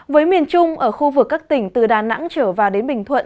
với miền trung ở khu vực các tỉnh từ đà nẵng trở vào đến bình thuận